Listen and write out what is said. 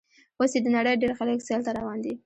اوس یې د نړۍ ډېر خلک سیل ته روان دي.